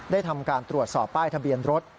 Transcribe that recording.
ทำการตรวจสอบป้ายทะเบียนรถ